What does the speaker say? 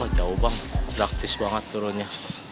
jauh bang praktis banget turunnya